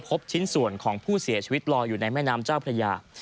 ชิ้นส่วนของผู้เสียชีวิตลอยอยู่ในแม่น้ำเจ้าพระยา